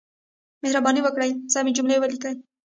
مهرباني وکړئ، سمې جملې وليکئ!